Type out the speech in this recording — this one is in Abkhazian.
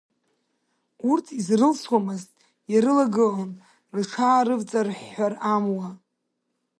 Урҭ изрылсуамызт, ирылагылан, рҽаарывҵарыҳәҳәар амуа.